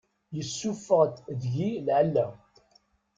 Yessuffeɣ-d deg-i lɛella.